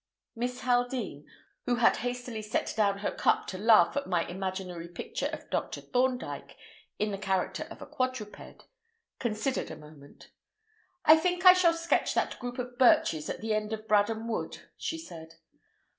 Miss Haldean (who had hastily set down her cup to laugh at my imaginary picture of Dr. Thorndyke in the character of a quadruped) considered a moment. "I think I shall sketch that group of birches at the edge of Bradham Wood," she said.